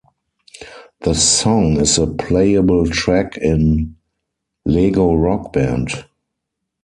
The song is a playable track in "Lego Rock Band".